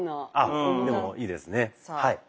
あっでもいいですね。